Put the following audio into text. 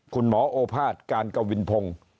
คุณหมอโอภาสกานกวินพง